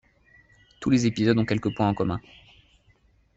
Tous les épisodes ont quelques points en commun.